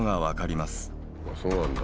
そうなんだ。